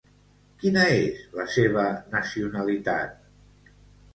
Quina és la seva nacionalitat?